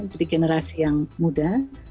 jadi generasi yang muda